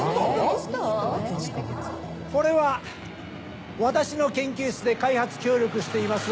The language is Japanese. これは私の研究室で開発協力しています